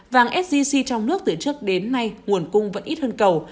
vàng sgc trong nước từ trước đến nay nguồn cung vẫn ít hơn cầu